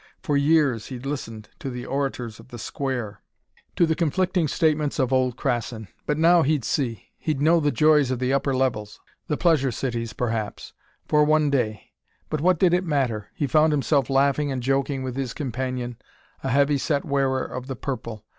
For years he'd listened to the orators of the Square, to the conflicting statements of old Krassin. But now he'd see. He'd know the joys of the upper levels; the pleasure cities, perhaps. For one day. But what did it matter? He found himself laughing and joking with his companion, a heavy set wearer of the purple.